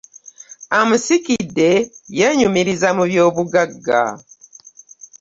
Amusikidde yeenyumiriza mu byo buggaga.